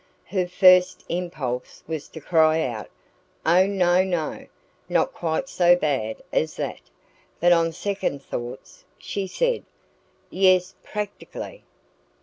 Her first impulse was to cry out: "Oh, no, no! Not quite so bad as that!" But on second thoughts she said: "Yes practically."